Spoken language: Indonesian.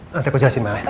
nanti aku jelasin ma